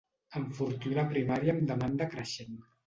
Enfortir una primària amb demanda creixent.